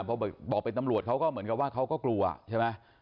พอบอกเป็นตำรวจเขาก็เหมือนกับว่าเขาก็กลัวใช่ไหม